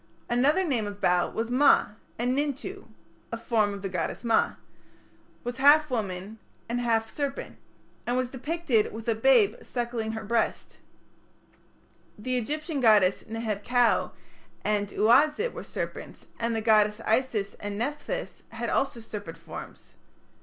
Another name of Bau was Ma, and Nintu, "a form of the goddess Ma", was half a woman and half a serpent, and was depicted with "a babe suckling her breast" (Chapter IV). The Egyptian goddesses Neheb kau and Uazit were serpents, and the goddesses Isis and Nepthys had also serpent forms.